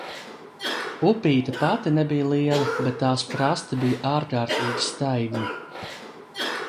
Upīte pati nebija liela, bet tās krasti bija ārkārtīgi staigni.